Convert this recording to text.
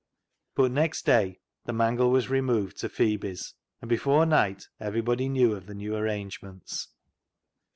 But next day the mangle was removed to Phebe's, and before night everybody knew of the new arrangements.